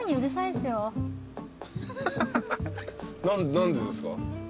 何でですか？